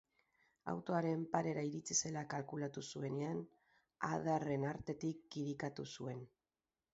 Autoaren parera iritsi zela kalkulatu zuenean, adarren artetik kirikatu zuen.